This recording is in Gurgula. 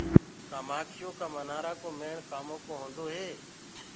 ڪآ مآکيو ڪآ ڇتآ ڪو ميڻ ڪآمو ڪو هوندو هي۔